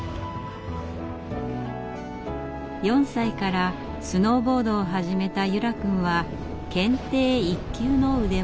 ４歳からスノーボードを始めた柚楽くんは検定１級の腕前。